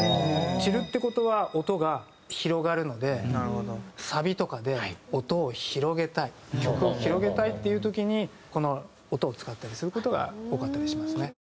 散るって事は音が広がるのでサビとかで音を広げたい曲を広げたいっていう時にこの音を使ったりする事が多かったりしますね。